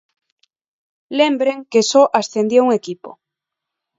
Lembren que só ascendía un equipo.